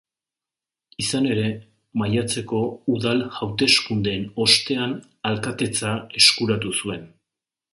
Izan ere, maiatzeko udal hauteskundeen ostean alkatetza eskuratu zuen.